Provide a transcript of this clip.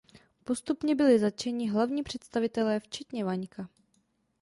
Postupně byli zatčeni hlavní představitelé včetně Vaňka.